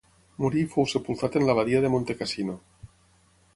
Morí i fou sepultat en l'Abadia de Montecassino.